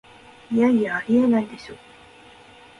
いやいや、ありえないでしょ